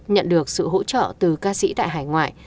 nhận được sự hỗ trợ từ ca sĩ tại hải ngoại